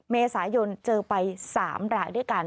เมษายนเจอไป๓รายด้วยกัน